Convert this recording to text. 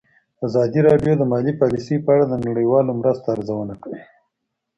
ازادي راډیو د مالي پالیسي په اړه د نړیوالو مرستو ارزونه کړې.